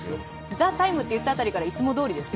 「ＴＨＥＴＩＭＥ，」と言った辺りからいつもどおりですよ。